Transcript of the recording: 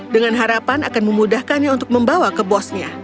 dengan harapan akan memudahkannya untuk membawa ke bosnya